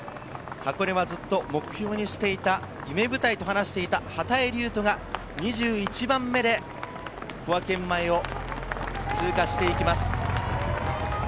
箱根はずっと目標にしていた、夢舞台と話していた波多江隆人が２１番目で小涌園前を通過していきます。